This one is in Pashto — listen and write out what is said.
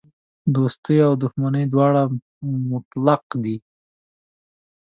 دوستي او دښمني دواړه مو مطلق دي.